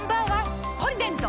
「ポリデント」